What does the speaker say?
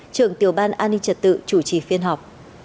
trưởng tiểu ban an ninh trật tự chủ trì phiên họp